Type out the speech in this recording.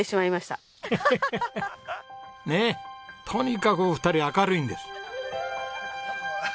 ねえとにかくお二人明るいんです。